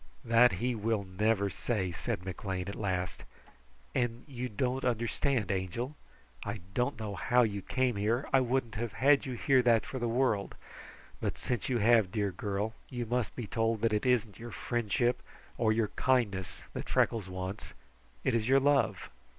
"That he will never say," said McLean at last, "and you don't understand, Angel. I don't know how you came here. I wouldn't have had you hear that for the world, but since you have, dear girl, you must be told that it isn't your friendship or your kindness Freckles wants; it is your love."